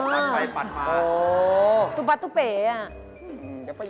ตั้งแต่ยัดเอียด